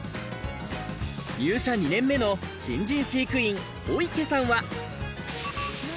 入社２年目の新人飼育員・尾池さんは。